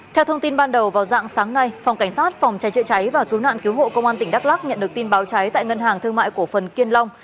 theo thông tin ban đầu vào dạng sáng nay phòng cảnh sát phòng cháy chữa cháy và cứu nạn cứu hộ công an tỉnh đắk lắc nhận được tin báo cháy tại ngân hàng thương mại cổ phần kiên long